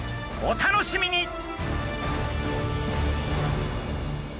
お楽しみに！